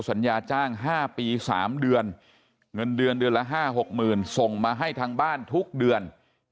สัญญาจ้าง๕ปี๓เดือนเงินเดือนเดือนละ๕๖๐๐๐ส่งมาให้ทางบ้านทุกเดือน